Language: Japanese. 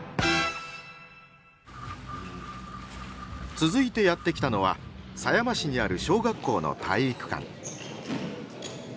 続いてやって来たのは狭山市にある小学校の体育館。